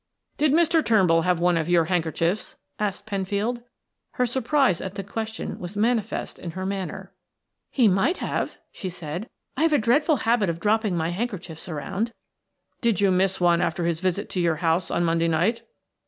"Did Mr. Turnbull have one of your handkerchiefs?" asked Penfield. Her surprise at the question was manifest in her manner. "He might have," she said. "I have a dreadful habit of dropping my handkerchiefs around." "Did you miss one after his visit to your house on Monday night?"